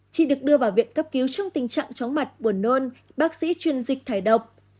chị được đưa vào viện cấp cứu trong tình trạng chóng mặt buồn nôn bác sĩ chuyên dịch thải độc